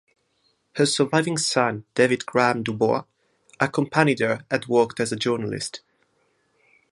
Her surviving son David Graham Du Bois accompanied her and worked as a journalist.